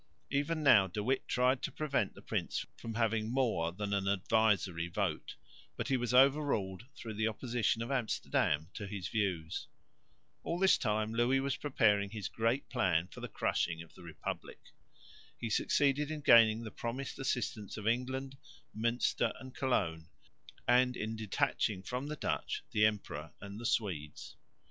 Even now De Witt tried to prevent the prince from having more than an advisory vote, but he was overruled through the opposition of Amsterdam to his views. All this time Louis was preparing his great plan for the crushing of the republic. He succeeded in gaining the promised assistance of England, Münster and Cologne, and in detaching from the Dutch the Emperor and the Swedes.